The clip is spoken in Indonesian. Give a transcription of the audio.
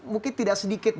mungkin tidak sedikit